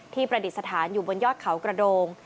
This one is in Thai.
ประดิษฐานอยู่บนยอดเขากระโดง